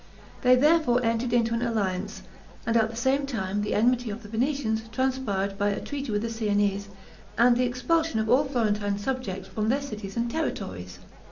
They therefore entered into an alliance, and at the same time the enmity of the Venetians transpired by a treaty with the Siennese, and the expulsion of all Florentine subjects from their cities and territories.